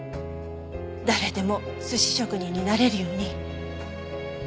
誰でも寿司職人になれるように。